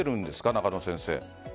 中野先生。